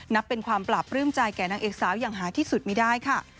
นับเป็นความปราบปลื้มใจแก่นางเอกสาวอย่างหาที่สุดไม่ได้ค่ะ